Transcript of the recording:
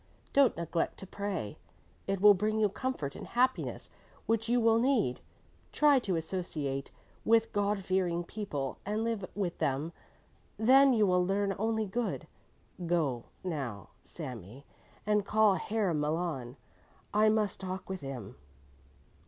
Don't neglect to pray, it will bring you comfort and happiness which you will need. Try to associate with God fearing people and live with them, then you will learn only good. Go, now, Sami, and call Herr Malon. I must talk with him."